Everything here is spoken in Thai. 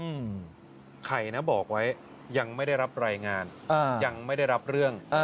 อืมใครนะบอกไว้ยังไม่ได้รับรายงานอ่ายังไม่ได้รับเรื่อง